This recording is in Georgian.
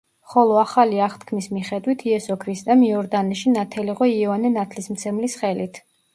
ხოლო ახალი აღთქმის მიხედვით იესო ქრისტემ იორდანეში ნათელიღო იოანე ნათლისმცემლის ხელით.